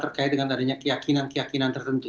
terkait dengan adanya keyakinan keyakinan tertentu